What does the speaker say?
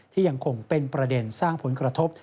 ยังคงเป็นประเด็นสร้างผลกระทบ